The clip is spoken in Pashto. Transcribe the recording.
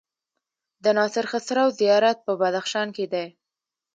د ناصر خسرو زيارت په بدخشان کی دی